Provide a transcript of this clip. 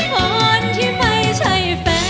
คนที่ไม่ใช่แฟน